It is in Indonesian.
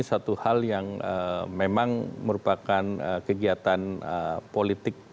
satu hal yang memang merupakan kegiatan politik